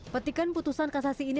petikan putusan kasasi ini